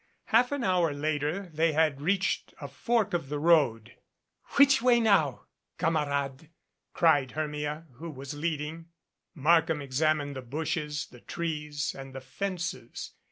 Half an hour later they had reached a fork of the road. "Which way now, camarade?" cried Hermia, who was leading. Markham examined the bushes, the trees, and the fences.